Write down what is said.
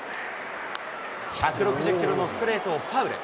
１６０キロのストレートをファウル。